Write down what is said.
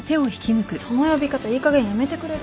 その呼び方いいかげんやめてくれる？